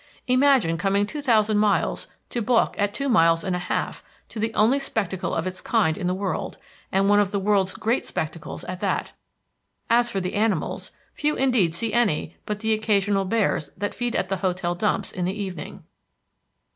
Imagine coming two thousand miles to balk at two miles and a half to the only spectacle of its kind in the world and one of the world's great spectacles at that! As for the animals, few indeed see any but the occasional bears that feed at the hotel dumps in the evening.